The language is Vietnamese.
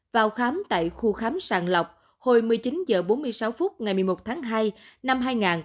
vào khám tại khu khám sàng lọc hồi một mươi chín h bốn mươi sáu phút ngày một mươi một tháng hai năm hai nghìn hai mươi